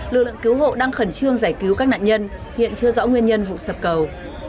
lực lượng cứu hộ đang khẩn trương giải cứu các nạn nhân hiện chưa rõ nguyên nhân vụ sập cầu